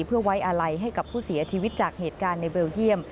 เพื่อไว้อาลัยให้กับผู้เสียชีวิตจากเหตุการณ์ในเบลเยี่ยม